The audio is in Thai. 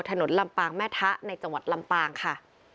ลำปางแม่ทะในจังหวัดลำปางค่ะ